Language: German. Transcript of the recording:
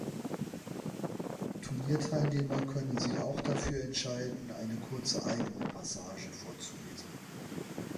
Turnierteilnehmer können sich auch dafür entscheiden, eine kurze eigene Passage vorzulesen.